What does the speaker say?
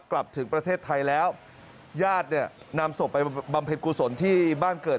กลับถึงประเทศไทยแล้วญาติเนี่ยนำศพไปบำเพ็ญกุศลที่บ้านเกิด